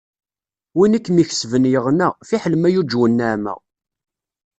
Win i kem-ikesben yeɣna, fiḥel ma yuǧew nneɛma.